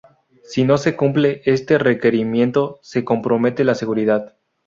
Si no se cumple este requerimiento se compromete la seguridad.